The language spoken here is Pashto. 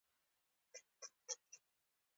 په زوره، زوره ئی ورباندي نارې کړې ، وسړیه! وسړیه!